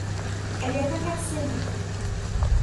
Elle est incarcérée.